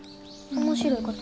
面白いこと？